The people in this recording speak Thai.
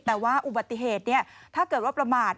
แต่ว่าอุบัติเหตุถ้าเกิดว่าประมาท